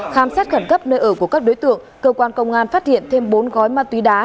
khám xét khẩn cấp nơi ở của các đối tượng cơ quan công an phát hiện thêm bốn gói ma túy đá